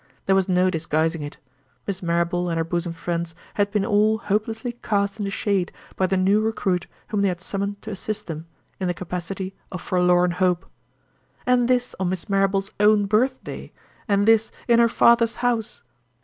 There was no disguising it: Miss Marrable and her bosom friends had been all hopelessly cast in the shade by the new recruit whom they had summoned to assist them, in the capacity of forlorn hope. And this on Miss Marrable's own birthday! and this in her father's house!